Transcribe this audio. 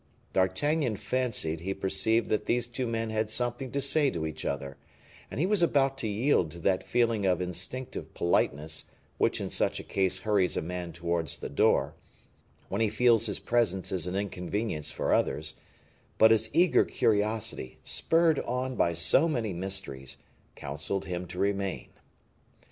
D'Artagnan fancied he perceived that these two men had something to say to each other, and he was about to yield to that feeling of instinctive politeness which in such a case hurries a man towards the door, when he feels his presence is an inconvenience for others; but his eager curiosity, spurred on by so many mysteries, counseled him to remain.